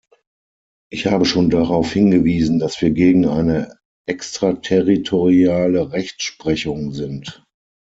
Ich habe schon darauf hingewiesen, dass wir gegen eine extraterritoriale Rechtsprechung sind.